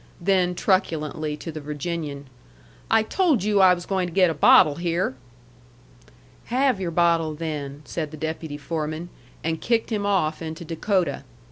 Then, truculently, to the Virginian, "I told you I was going to get a bottle here." "Have your bottle, then," said the deputy foreman, and kicked him off into Dakota.